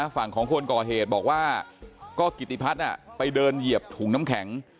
ฝั่งของคนก่อเหตุบอกว่าก็กิติพัฒน์ไปเดินเหยียบถุงน้ำแข็ง